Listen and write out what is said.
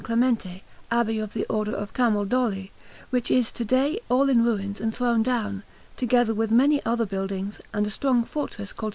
Clemente, Abbey of the Order of Camaldoli, which is to day all in ruins and thrown down, together with many other buildings and a strong fortress called S.